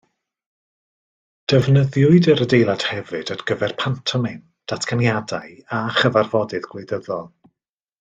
Defnyddiwyd yr adeilad hefyd ar gyfer pantomeim, datganiadau a chyfarfodydd gwleidyddol.